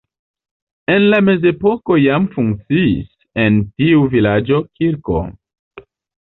En la mezepoko jam funkciis en tiu vilaĝo kirko.